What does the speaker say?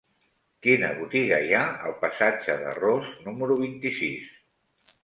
Quina botiga hi ha al passatge de Ros número vint-i-sis?